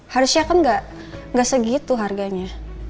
harusnya kan nggak segitu harganya